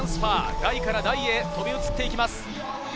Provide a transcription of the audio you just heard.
台から台へ飛び移っていきます。